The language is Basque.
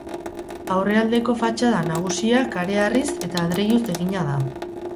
Aurrealdeko fatxada nagusia kareharriz eta adreiluz egina da.